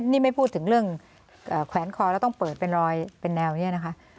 นี่ไม่พูดถึงเรื่องแขวนคอแล้วต้องเปิดเป็นรอยเป็นแนวนี้นะคะ